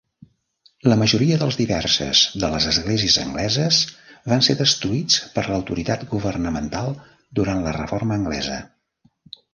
La majoria dels diverses de les esglésies angleses van ser destruïts per l'autoritat governamental durant la reforma anglesa.